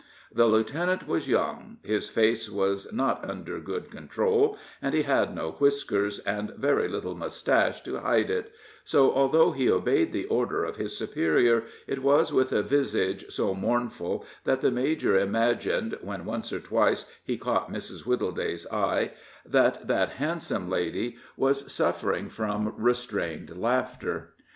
The lieutenant was young; his face was not under good control, and he had no whiskers, and very little mustache to hide it, so, although he obeyed the order of his superior, it was with a visage so mournful that the major imagined, when once or twice he caught Mrs. Wittleday's eye, that that handsome lady was suffering from restrained laughter.